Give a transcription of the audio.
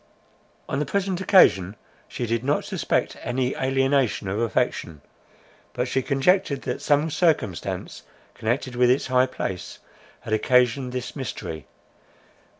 On the present occasion she did not suspect any alienation of affection; but she conjectured that some circumstance connected with his high place, had occasioned this mystery.